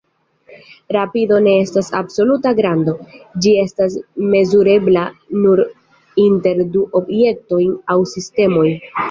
Rapido ne estas absoluta grando; ĝi estas mezurebla nur inter du objektoj aŭ sistemoj.